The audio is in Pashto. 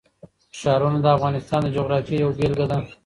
ښارونه د افغانستان د جغرافیې یوه بېلګه ده.